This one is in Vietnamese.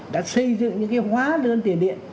đã xây dựng những cái hóa đơn tiền điện